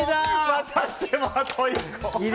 またしても、あと１個。